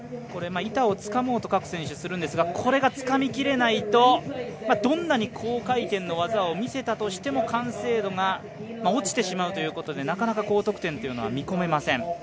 板をつかもうと各選手するんですがこれがつかみきれないとどんなに高回転の技を見せたとしても完成度が落ちてしまうということでなかなか高得点は見込めません。